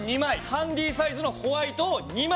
ハンディサイズのホワイトを２枚。